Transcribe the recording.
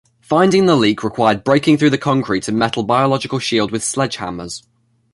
Finding the leak required breaking through the concrete and metal biological shield with sledgehammers.